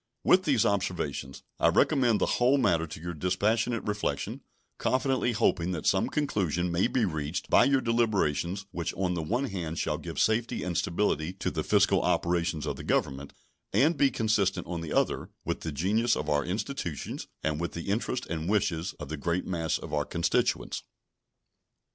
With these observations I recommend the whole matter to your dispassionate reflection, confidently hoping that some conclusion may be reached by your deliberations which on the one hand shall give safety and stability to the fiscal operations of the Government, and be consistent, on the other, with the genius of our institutions and with the interests and wishes of the great mass of our constituents.